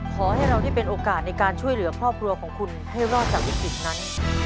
ขอให้เราได้เป็นโอกาสในการช่วยเหลือครอบครัวของคุณให้รอดจากวิกฤตนั้น